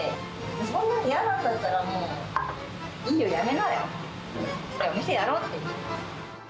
そんな嫌なんだったら、もういいよ、辞めなよって。